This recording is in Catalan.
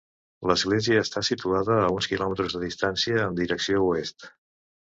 L'església està situada a uns quilòmetres de distància en direcció oest.